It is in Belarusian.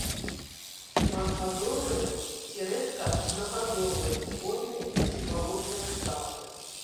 Шматгадовыя ці рэдка аднагадовыя водныя ці балотныя травы.